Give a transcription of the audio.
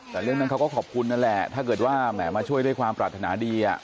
แต่เรื่องนั้นเขาก็ขอบคุณนั่นแหละถ้าเกิดว่าแหมมาช่วยด้วยความปรารถนาดี